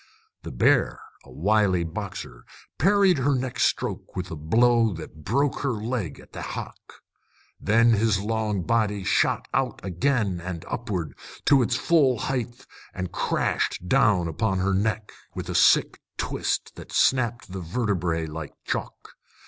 The bear, a wily boxer, parried her next stroke with a blow that broke her leg at the hock. Then his long body shot out again and upward, to its full height, and crashed down upon her neck, with a sick twist that snapped the vertebræ like chalk.